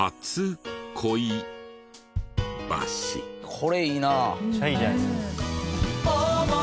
これいいなあ。